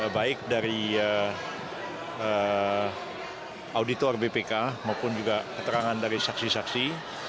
baik dari auditor bpk maupun juga keterangan dari saksi saksi